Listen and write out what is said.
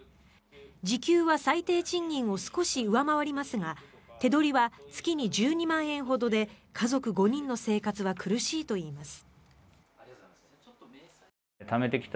時給は最低賃金を少し上回りますが手取りは月に１２万円ほどで家族５人の生活は苦しいといいます。